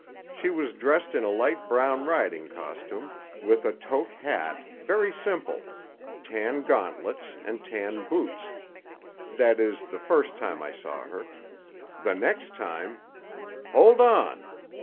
She was dressed in a light brown riding costume, with a toque hat, very simple, tan gauntlets, and tan boots; that is, the first time I saw her. The next time—" "Hold on!